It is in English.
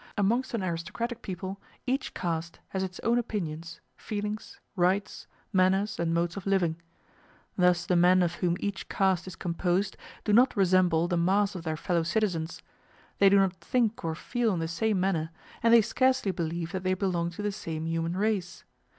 Amongst an aristocratic people each caste has its own opinions, feelings, rights, manners, and modes of living. Thus the men of whom each caste is composed do not resemble the mass of their fellow citizens; they do not think or feel in the same manner, and they scarcely believe that they belong to the same human race.